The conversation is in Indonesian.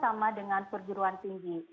sama dengan perguruan tinggi